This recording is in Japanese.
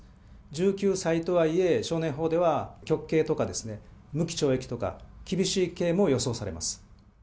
１９歳とはいえ、少年法では極刑とか無期懲役とか、厳しい刑も予想されます。